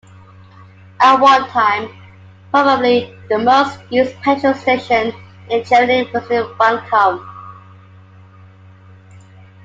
At one time, probably the most used petrol station in Germany was in Wankum.